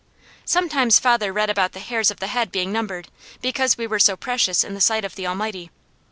Sometimes father read about the hairs of the head being numbered, because we were so precious in the sight of the Almighty.